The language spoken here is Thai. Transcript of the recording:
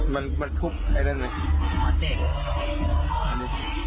มันมันทุบไอ้นั่นไหม